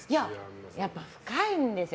やっぱ深いんですよ。